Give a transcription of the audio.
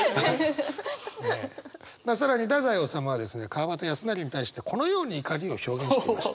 更に太宰治はですね川端康成に対してこのように怒りを表現していました。